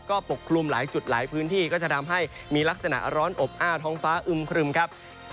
ก็ปกคลุมหลายจุดหลายพื้นที่ก็จะทำให้มีลักษณะร้อนอบอ้าวท้องฟ้าอึมครึมครับ